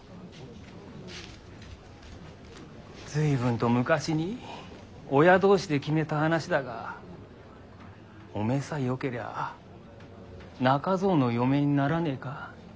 随分と昔に親同士で決めた話だがおめえさえよけりゃ中蔵の嫁にならねえか？